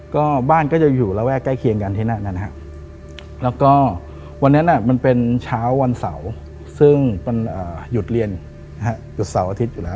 ก็บ้านก็จะอยู่ระแวกใกล้เคียงกันที่นั่นนะฮะแล้วก็วันนั้นมันเป็นเช้าวันเสาร์ซึ่งมันหยุดเรียนหยุดเสาร์อาทิตย์อยู่แล้ว